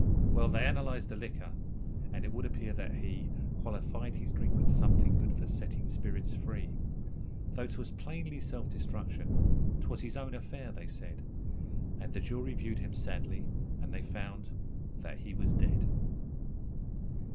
Well, they analysed the liquor, and it would appear that he Qualified his drink with something good for setting spirits free. Though 'twas plainly self destruction ''twas his own affair,' they said; And the jury viewed him sadly, and they found that he was dead.